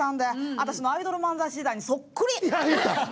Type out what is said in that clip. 私のアイドル漫才師時代にそっくり。